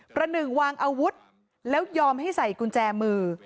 หนึ่งวางอาวุธแล้วยอมให้ใส่กุญแจมือ